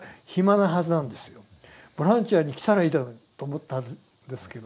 ボランティアに来たらいいだろうと思ったんですけどね。